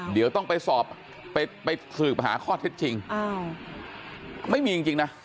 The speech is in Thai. เดี๋ยวต้องไปสอบไปสืบหาข้อเท็จจริงไม่มีจริงนะ